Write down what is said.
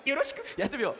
やってみよう。